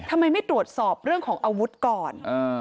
ทำไมไม่ตรวจสอบเรื่องของอาวุธก่อน